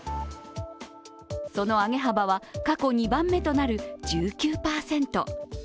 その上げ幅は過去２番目となる１９％。